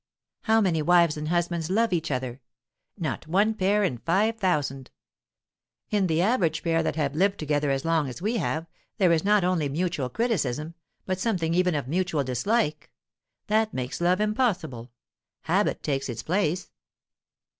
How many wives and husbands love each other? Not one pair in five thousand. In the average pair that have lived together as long as we have, there is not only mutual criticism, but something even of mutual dislike. That makes love impossible. Habit takes its place."